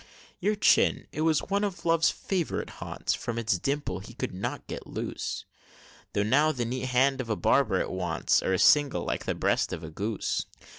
Your chin, it was one of Love's favorite haunts, From its dimple he could not get loose; Though now the neat hand of a barber it wants, Or a singe, like the breast of a goose!